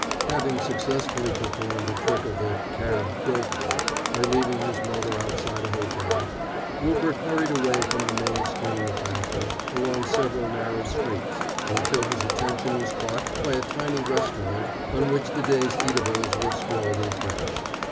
Having successfully performed the trick of the cab "bilker" by leaving his motor outside a hotel, Rupert hurried away from the main stream of fashion along several narrow streets until his attention was caught by a tiny restaurant on which the day's eatables were scrawled in French.